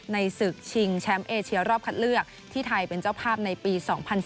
ศึกชิงแชมป์เอเชียรอบคัดเลือกที่ไทยเป็นเจ้าภาพในปี๒๐๑๘